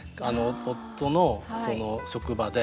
夫の職場で。